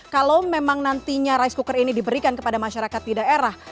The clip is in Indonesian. kalau memang nantinya rice cooker ini diberikan kepada masyarakat di daerah